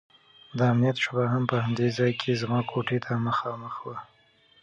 د امنيت شعبه هم په همدې ځاى کښې زما کوټې ته مخامخ وه.